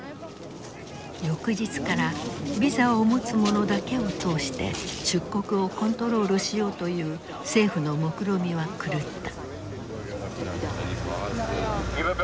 翌日からビザを持つ者だけを通して出国をコントロールしようという政府のもくろみは狂った。